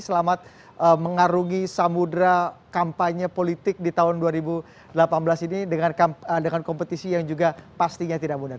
selamat mengarungi samudera kampanye politik di tahun dua ribu delapan belas ini dengan kompetisi yang juga pastinya tidak mudah